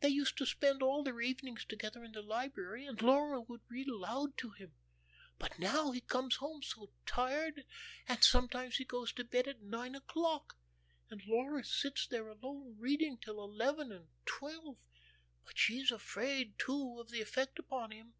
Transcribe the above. They used to spend all their evenings together in the library, and Laura would read aloud to him. But now he comes home so tired that sometimes he goes to bed at nine o'clock, and Laura sits there alone reading till eleven and twelve. But she's afraid, too, of the effect upon him.